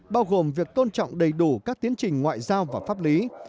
bao gồm việc tôn trọng đầy đủ các tiến trình ngoại giao và pháp lý